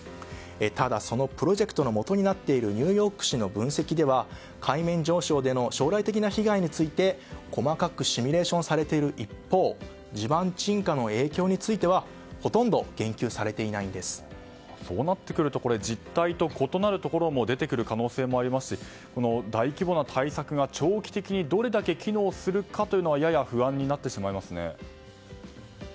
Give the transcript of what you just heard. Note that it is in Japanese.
ただ、そのプロジェクトのもとになっているニューヨーク市の分析では海面上昇での将来的な被害について細かくシミュレーションされている一方地盤沈下の影響についてはそうなってくると実態と異なるところも出てくる可能性もありますし大規模な対策が長期的にどれだけ機能するかというのはやや不安になってしまいますね。